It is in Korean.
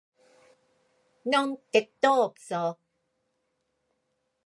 넌 택도 없어.